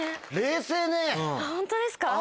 ホントですか？